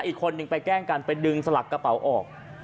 อีกคนนึงไปแกล้งกันไปดึงสลักกระเป๋าออก